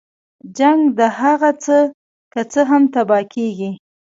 جنګ د هغه څه که څه هم تباه کړي.